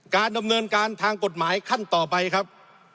การดำเนินการทางกฎหมายขั้นต่อไปครับ